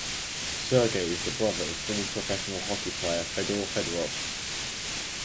Sergei is the brother of former professional hockey player Fedor Fedorov.